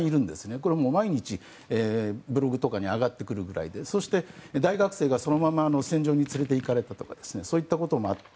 これは毎日ブログとかに上がってくるくらいでそして、大学生がそのまま戦場に連れていかれたとかそういったこともあって。